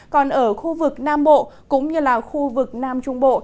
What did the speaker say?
còn ở khu vực nam bộ cũng như là khu vực nam trung bộ